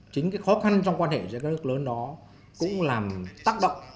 chính cái khó khăn trong quan hệ giữa các nước lớn đó cũng làm tác động